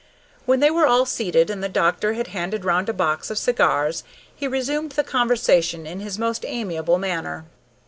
When they were all seated, and the doctor had handed round a box of cigars, he resumed the conversation in his most amiable manner.